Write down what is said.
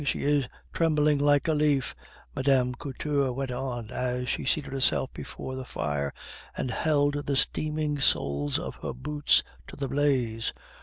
She is trembling like a leaf," Mme. Couture went on, as she seated herself before the fire and held the steaming soles of her boots to the blaze.